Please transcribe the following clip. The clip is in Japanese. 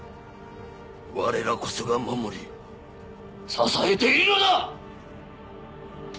我らこそが守り支えているのだ！